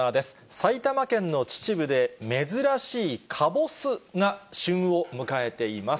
埼玉県の秩父で、珍しいかぼすが旬を迎えています。